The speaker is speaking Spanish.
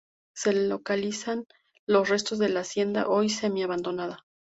Se localizan los restos de la hacienda hoy semi-abandonada.